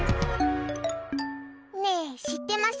ねえ、知ってます？